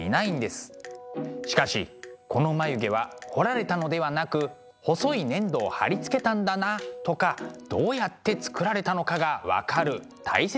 しかしこの眉毛は彫られたのではなく細い粘土を貼り付けたんだなとかどうやって作られたのかが分かる大切な資料でもあるんです。